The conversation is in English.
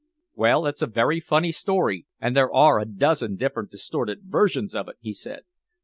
"Well, it's a very funny story, and there are a dozen different distorted versions of it," he said.